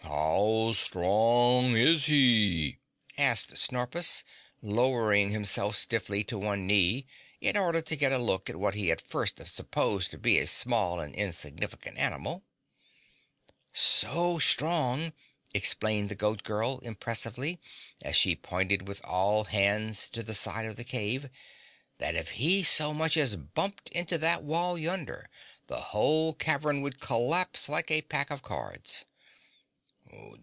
"How strong is he?" asked Snorpus, lowering himself stiffly to one knee in order to get a look at what he had first supposed to be a small and insignificant animal. "So strong," explained the Goat Girl impressively, as she pointed with all hands to the side of the cave, "that if he so much as bumped into that wall yonder, this whole cavern would collapse like a pack of cards."